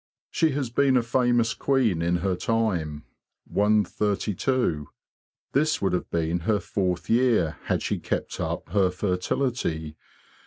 She has been a famous queen in her time—One thirty two. This would have been her fourth year, had she kept up her fertility.